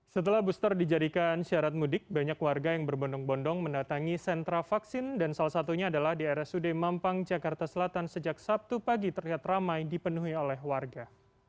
setelah booster dijadikan syarat mudik banyak warga yang berbondong bondong mendatangi sentra vaksin dan salah satunya adalah di rsud mampang jakarta selatan sejak sabtu pagi terlihat ramai dipenuhi oleh warga